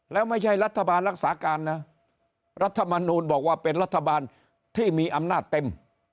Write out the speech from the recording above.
แล้วไม่ใช่รัฐบาลรักษาการนะรัฐมนูลบอกว่าเป็นรัฐบาลที่มีอำนาจเต็ม